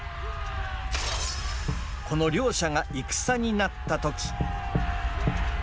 この両者が戦になった時！